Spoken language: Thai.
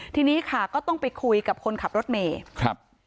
ทีนี้ค่ะก็ต้องไปคุยกับคนขับรถเมย์ครับ